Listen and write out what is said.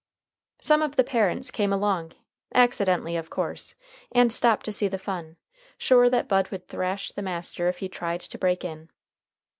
Some of the parents came along, accidentally of course, and stopped to see the fun, sure that Bud would thrash the master if he tried to break in.